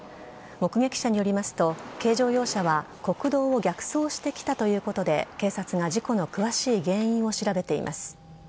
目撃者によりますと軽乗用車は国道を逆走してきたということで警察が事故の詳しい原因を調べています。